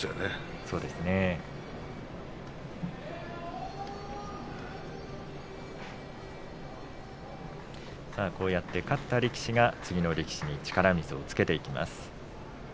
まわしも切りましたしこうやって勝った力士が次の力士に力水をつけていきます。